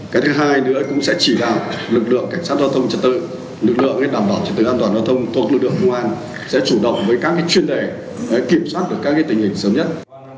cái thứ hai nữa cũng sẽ chỉ đạo lực lượng cảnh sát giao thông trật tự lực lượng đảm bảo trật tự an toàn giao thông thuộc lực lượng công an sẽ chủ động với các chuyên đề kiểm soát được các tình hình sớm nhất